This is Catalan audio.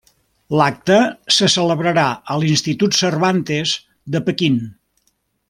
L'acte se celebrarà a l'Institut Cervantes de Pequín.